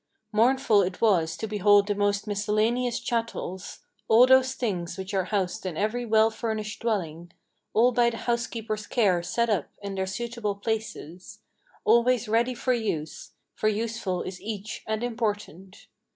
Mournful it was to behold the most miscellaneous chattels, All those things which are housed in every well furnished dwelling, All by the house keeper's care set up in their suitable places, Always ready for use; for useful is each and important.